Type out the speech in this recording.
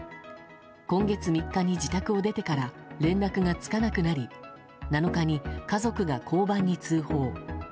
今月３日に自宅を出てから連絡がつかなくなり７日に家族が交番に通報。